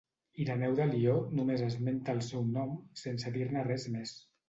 Ireneu de Lió només esmenta el seu nom, sense dir-ne res més.